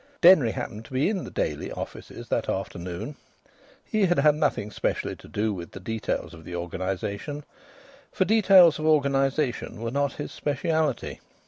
Denry happened to be in the Daily offices that afternoon. He had had nothing to do with the details of organisation, for details of organisation were not his speciality.